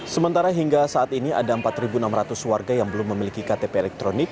sementara hingga saat ini ada empat enam ratus warga yang belum memiliki ktp elektronik